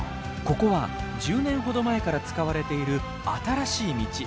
ここは１０年ほど前から使われている新しい道。